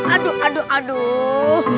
aduh aduh aduh